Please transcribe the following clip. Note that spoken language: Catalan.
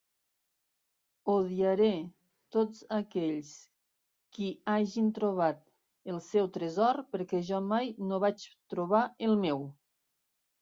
Odiaré tots aquells qui hagin trobat el seu tresor perquè jo mai no vaig trobar el meu.